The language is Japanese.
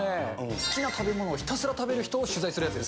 好きな食べ物をひたすら食べる人を取材するやつですね。